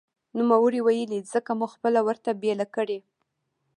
نوموړي ویلي، ځمکه مو خپله ورته بېله کړې